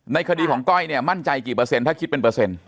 คดีของก้อยเนี่ยมั่นใจกี่เปอร์เซ็นถ้าคิดเป็นเปอร์เซ็นต